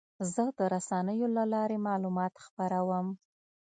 زه د رسنیو له لارې معلومات خپروم.